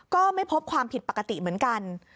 ก็ไม่พบความผิดปกติเหมือนกัน